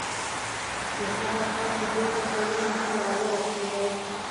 چې هغه پاتې دوه موټرونه هم را ورسېدل.